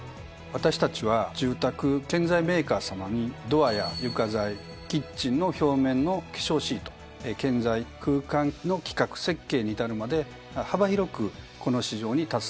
私たちは住宅建材メーカーさまにドアや床材キッチンの表面の化粧シート建材・空間の企画設計に至るまで幅広くこの市場に携わっております。